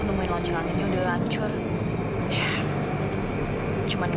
rumahnya kali bocor pak